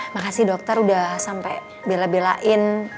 makasih dokter udah sampai bela belain